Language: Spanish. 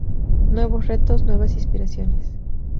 Nuevos retos, nuevas inspiraciones".